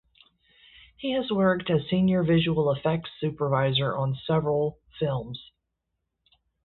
He has worked as senior visual effects supervisor on several films.